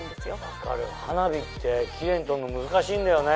分かる花火ってキレイに撮るの難しいんだよね。